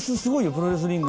『プロレスリング』。